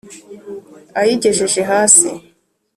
Ayigejeje hasi,